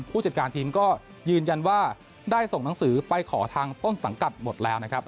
ผู้จัดการทีมก็ยืนยันว่าได้ส่งหนังสือไปขอทางต้นสังกัดหมดแล้วนะครับ